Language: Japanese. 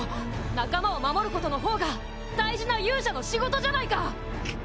仲間を守ることのほうが大事な勇者の仕事じゃないか。